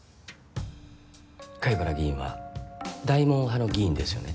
貝原議員は大門派の議員ですよね？